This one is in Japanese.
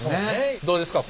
どうですか？